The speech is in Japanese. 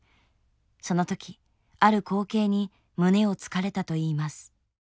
その時ある光景に胸をつかれたといいます。